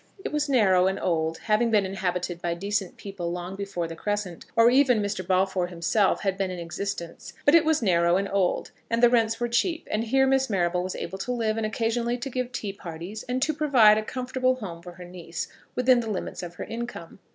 It was narrow and old, having been inhabited by decent people long before the Crescent, or even Mr. Balfour himself, had been in existence; but it was narrow and old, and the rents were cheap, and here Miss Marrable was able to live, and occasionally to give tea parties, and to provide a comfortable home for her niece, within the limits of her income.